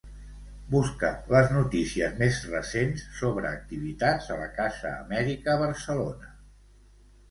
Busca les notícies més recents sobre activitats a la Casa Amèrica Barcelona.